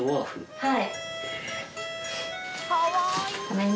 はい。